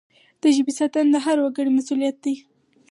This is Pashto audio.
د ژبي ساتنه د هر وګړي مسؤلیت دی.